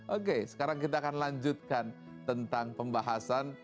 oke sekarang kita akan lanjutkan tentang pembahasan